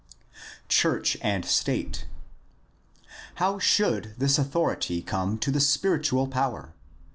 Church and state. — How should this authority come to the spiritual power?